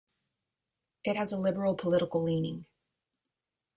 It has a liberal political leaning.